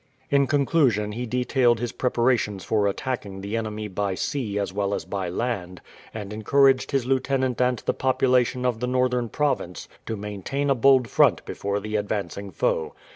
In conclusion he detailed his preparations for attacking the enemy by sea as well as by land, and encouraged his lieutenant and the population of the northern province to maintain a bold front before the advancing foe.